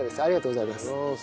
ありがとうございます。